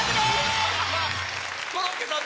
コロッケさん